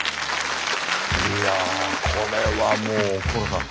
いやこれはもう高良さん